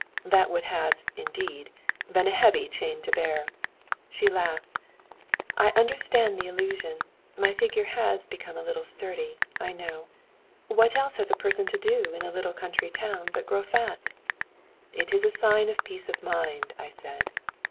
"That would have, indeed, been a heavy chain to bear." She laughed. "I understand the allusion. My figure has become a little sturdy, I know. What else has a person to do in a little country town but grow fat?" "It is a sign of peace of mind," I said.